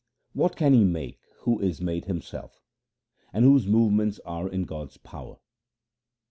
What can he make who is made himself, And whose movements are in God's power